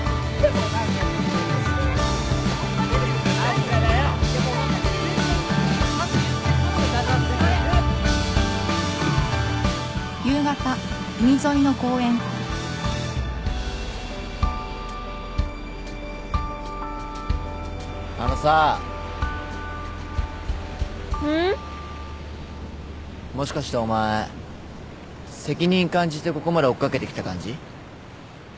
もしかしてお前責任感じてここまで追っ掛けてきた感じ？